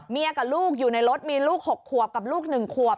กับลูกอยู่ในรถมีลูก๖ขวบกับลูก๑ขวบ